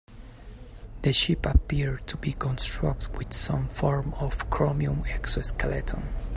The ship appeared to be constructed with some form of chromium exoskeleton.